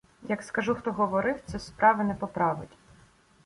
— Як скажу, хто говорив, це справи не поправить.